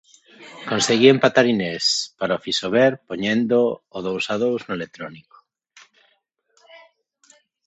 Conseguía empatar Inés para o Fisober poñendo o dous a dous no electrónico.